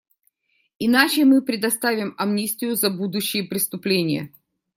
Иначе мы предоставим амнистию за будущие преступления.